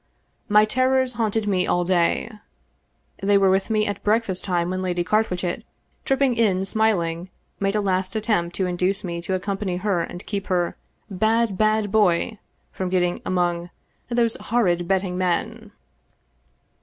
My terrors haunted me all day. They were with me at breakfast time when Lady Carwitchet, tripping in smiling, made a last attempt to induce me to accompany her and keep her " bad, bad boy " from getting among " those hor rid betting men."